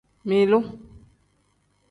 Milu.